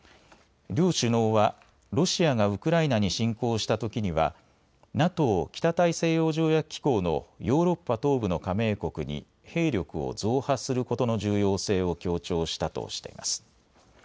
両首脳はロシアがウクライナに侵攻したときにはＮＡＴＯ・北大西洋条約機構のヨーロッパ東部の加盟国に兵力を増派することの重要性を強調したとしています。